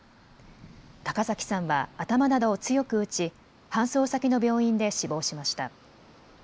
高崎さんは頭などを強く打ち搬送先の病院で死亡しました。